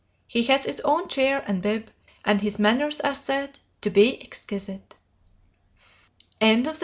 He has his own chair and bib, and his manners are said to be exquisite.